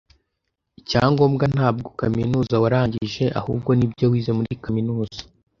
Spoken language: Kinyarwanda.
Icyangombwa ntabwo kaminuza warangije ahubwo ni ibyo wize muri kaminuza.